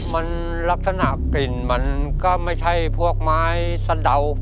มันลักษณะกลิ่นมันก็ไม่ใช่พวกไม้สะเดา